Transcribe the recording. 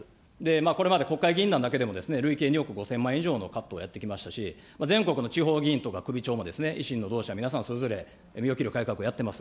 これまで国会議員だけでも、累計２億５０００万円以上のカットをやってきましたし、全国の地方議員とか首長も維新の同志は皆さん、それぞれ身を切る改革をやってます。